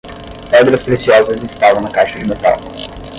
Pedras preciosas estavam na caixa de metal.